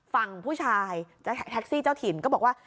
ฝั่งผู้ชายแท็กซี่เจ้าถิ่นก็บอกว่า